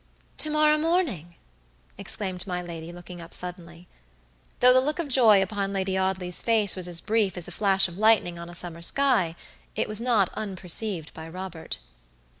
"To morrow morning!" exclaimed my lady, looking up suddenly. Though the look of joy upon Lady Audley's face was as brief as a flash of lightning on a summer sky, it was not unperceived by Robert.